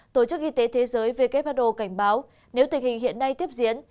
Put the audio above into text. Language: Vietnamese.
tổ chức y tế thế giới who cảnh báo nếu tình hình hiện nay tiếp diễn